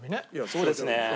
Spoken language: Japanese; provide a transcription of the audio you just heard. そうですね。